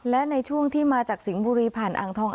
และในช่วงที่มาจากสิงห์บุรีผ่านอ่างทอง